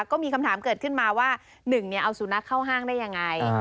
ก็มีคำถามเกิดขึ้นมาว่า๑เอาสุนัขเข้าห้างได้ยังไง